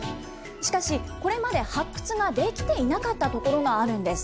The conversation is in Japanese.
しかし、これまで発掘ができていなかった所があるんです。